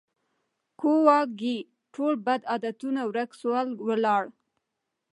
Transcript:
ګواکي ټول بد عادتونه ورک سول ولاړه